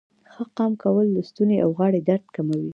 ښه قام کول د ستونې او غاړې درد کموي.